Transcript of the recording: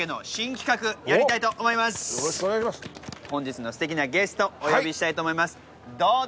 本日のステキなゲストお呼びしたいと思います。